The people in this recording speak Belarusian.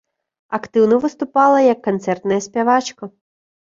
Актыўна выступала як канцэртная спявачка.